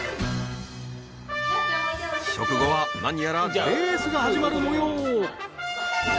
食後は何やらレースが始まる模様。